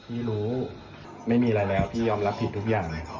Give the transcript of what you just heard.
พี่รู้ไม่มีอะไรแล้วพี่ยอมรับผิดทุกอย่างเลย